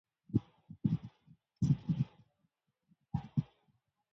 The Abel transform may be extended to higher dimensions.